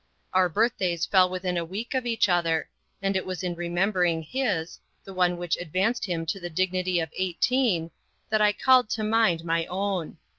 Our birthdays fell within a week of each other, and it was in remembering his the one which advanced him to the dignity of eighteen that I called to mind my own.